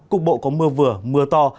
cục bộ có mưa vừa mưa to